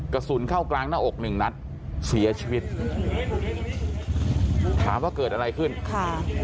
กระสุนเข้ากลางหน้าอกหนึ่งนัดเสียชีวิตถามว่าเกิดอะไรขึ้นค่ะ